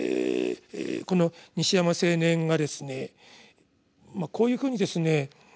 この西山青年がですねまあこういうふうにですね